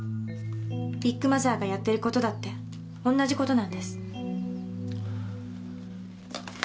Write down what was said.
ビッグマザーがやってる事だって同じ事なんです。